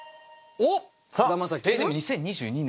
えっでも２０２２年。